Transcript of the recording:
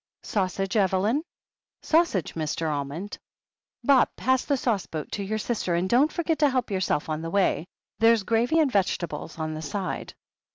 Sausage, Evelyn? Sau sage, Mr. Almond? Bob, pass the sauce boat to your sister, and don't forget to help yourself on the way. There's gravy and vegetables on the side."